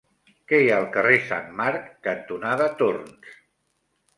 Què hi ha al carrer Sant Marc cantonada Torns?